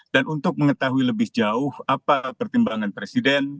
dan untuk mengetahui lebih jauh apa pertimbangan presiden